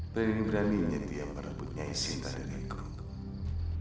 paling berani nyetia merebut nyai sinta dariku